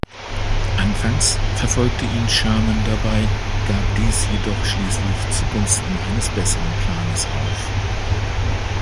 Anfangs verfolgte ihn Sherman dabei, gab dies jedoch schließlich zugunsten eines besseren Planes auf.